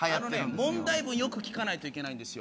問題文よく聞かないといけないんですよ。